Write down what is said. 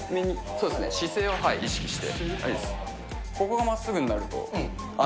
そうですね、姿勢を意識して。